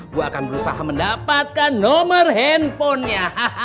gue akan berusaha mendapatkan nomor handphonenya